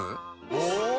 お！